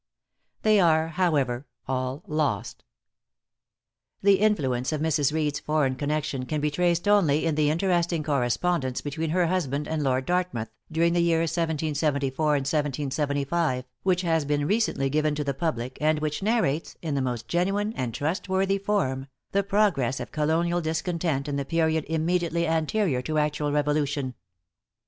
They are, however, all lost. The influence of Mrs. Reed's foreign connection can be traced only in the interesting correspondence between her husband and Lord Dartmouth, during the years 1774 and 1775, which has been recently given to the public, and which narrates, in the most genuine and trustworthy form, the progress of colonial discontent in the period immediately anterior to actual revolution.